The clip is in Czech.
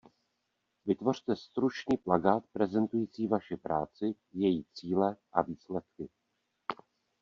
Vytvořte stručný plakát prezentující vaši práci, její cíle a výsledky.